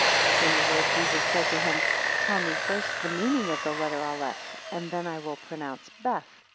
6 Then the Lord Jesus said to him, Tell me first the meaning of the letter Aleph, and then I will pronounce Beth.